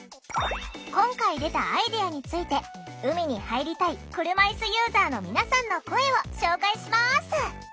今回出たアイデアについて海に入りたい車いすユーザーの皆さんの声を紹介します！